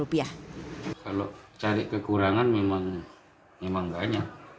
kalau cari kekurangan memang banyak